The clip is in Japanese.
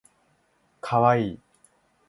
かわいい